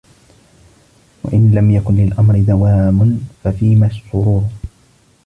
وَإِنْ لَمْ يَكُنْ لِلْأَمْرِ دَوَامٌ فَفِيمَ السُّرُورُ